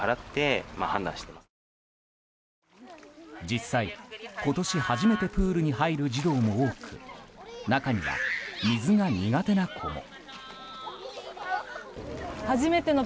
実際、今年初めてプールに入る児童も多く中には、水が苦手な子も。